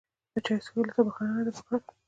د چای څښلو ته بهانه نه ده پکار.